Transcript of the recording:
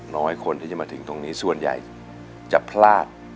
น้อยคนที่จะมาถึงตรงนี้ส่วนใหญ่จะพลาด